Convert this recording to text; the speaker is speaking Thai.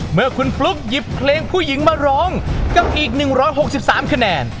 เมื่อคุณฟลุ๊กหยิบเพลงผู้หญิงมาร้องกับอีก๑๖๓คะแนน